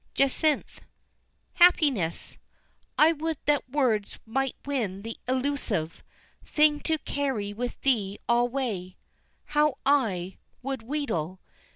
Jacynth: "Happiness! I would that words might win the illusive Thing to carry with thee alway. How I Would wheedle!